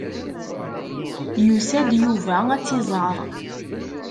Yusa-d Yuba ad tt-iẓer.